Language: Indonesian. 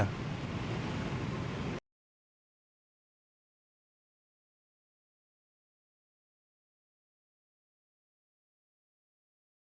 jangan lupa like share dan subscribe ya